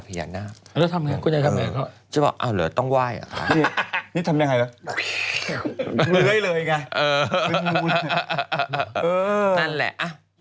นั่นแหละอะก็ไม่มีช่วงหน้า